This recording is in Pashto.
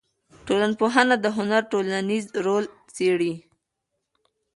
ټولنپوهنه د هنر ټولنیز رول څېړي.